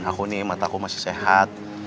aku nih mata aku masih sehat